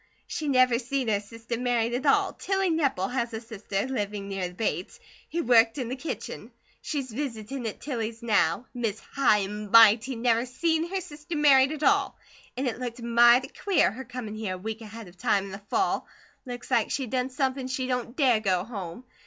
She never seen her sister married at all! Tilly Nepple has a sister, living near the Bates, who worked in the kitchen. She's visitin' at Tilly's now. Miss High and Mighty never seen her sister married at all! An' it looked mighty queer, her comin' here a week ahead of time, in the fall. Looks like she'd done somepin she don't DARE go home.